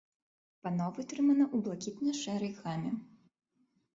Пано вытрымана ў блакітна-шэрай гаме.